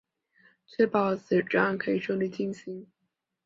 确保此专案可以顺利进行